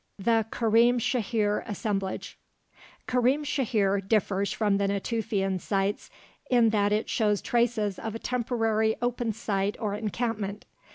THE KARIM SHAHIR ASSEMBLAGE Karim Shahir differs from the Natufian sites in that it shows traces of a temporary open site or encampment.